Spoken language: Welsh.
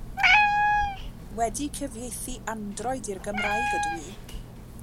Wedi cyfieithu Android i'r Gymraeg ydw i.